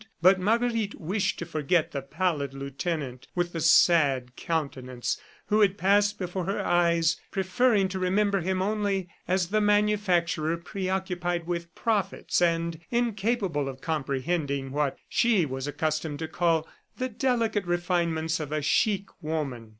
But Marguerite wished to forget the pallid lieutenant with the sad countenance who had passed before her eyes, preferring to remember him only as the manufacturer preoccupied with profits and incapable of comprehending what she was accustomed to call "the delicate refinements of a chic woman."